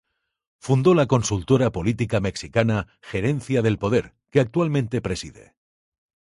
Fundó la Consultora Política Mexicana "Gerencia del Poder", que actualmente preside.